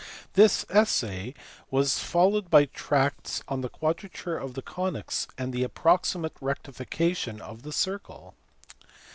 This essay was followed by tracts on the quadrature of the conies and the approximate rectification of the circle.